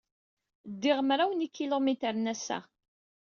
Ddiɣ mraw n yikilumitren ass-a.